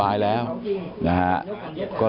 ลูกชายวัย๑๘ขวบบวชหน้าไฟให้กับพุ่งชนจนเสียชีวิตแล้วนะครับ